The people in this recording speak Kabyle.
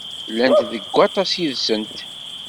Llant deg aṭas yid-sent.